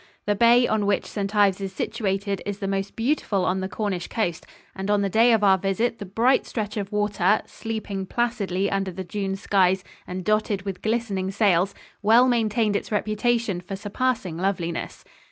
The bay on which St. Ives is situated is the most beautiful on the Cornish coast, and on the day of our visit the bright stretch of water, sleeping placidly under the June skies and dotted with glistening sails, well maintained its reputation for surpassing loveliness.